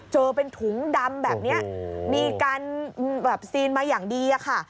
เจอเป็นถุงดำแบบนี้มีการแบบซีนมาอย่างดีอะค่ะ